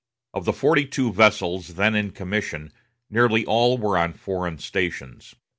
Of the forty two vessels then in commission nearly all were on foreign stations.